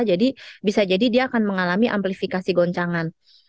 jadi bisa jadi dia akan mengalami amplifikasi goncangan